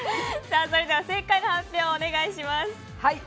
さあ正解の発表をお願いします。